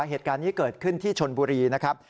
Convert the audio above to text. เหตุการณ์นี้เกิดขึ้นที่ชนบุรีนะครับ